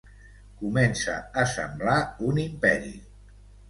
Comença a semblar un imperi.